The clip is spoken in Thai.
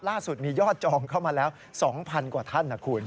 ล่าสุดมียอดจองเข้ามาแล้ว๒๐๐กว่าท่านนะคุณ